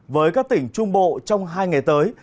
với các tỉnh trung bộ trong hai ngày tới